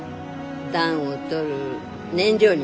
暖を取る燃料にもなる。